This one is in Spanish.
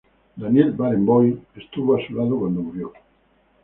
Daniel Barenboim estuvo a su lado cuando murió.